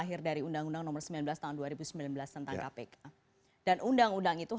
delta darkness warga macam kek bagian siswa outer